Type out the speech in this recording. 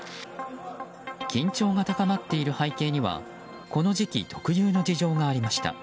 緊張が高まっている背景にはこの時期特有の事情がありました。